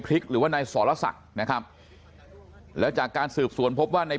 ภิกษ์หรือว่าในสรสักนะครับแล้วจากการสืบสวนพบว่าใน